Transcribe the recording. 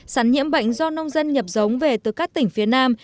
sắn nhiễm bệnh do nông dân nhập giống về từ các tỉnh phía nam